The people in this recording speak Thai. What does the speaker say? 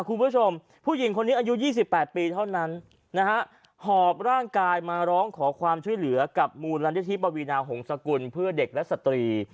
คุณผู้ชมผู้หญิงคนนี้อายุ๒๘ปีเท่านั้นนะฮะหอบร่างกายมาร้องขอความช่วยเหลือกับมูลนิธิปวีนาหงษกุลเพื่อเด็กและสตรี